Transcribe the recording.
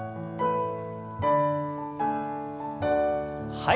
はい。